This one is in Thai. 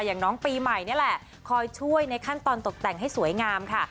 อย่างน้องปีใหม่นี่แหละคอยช่วยในขั้นตอนตกแต่งให้สวยงามค่ะ